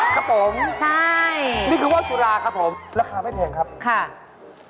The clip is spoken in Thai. ครับผมใช่นี่คือว่าสุราครับผมราคาไม่แพงครับค่ะ